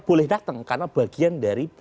boleh datang karena bagian dari